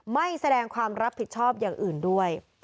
ไม่แสดงความรับผิดชอบอย่างอื่นด้วย